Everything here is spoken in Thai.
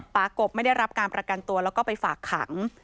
กบไม่ได้รับการประกันตัวแล้วก็ไปฝากขัง